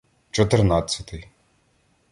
Чотирнадцятий